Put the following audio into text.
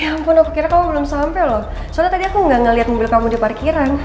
ampun aku kira kamu belum sampai loh soalnya tadi aku gak ngeliat mobil kamu di parkiran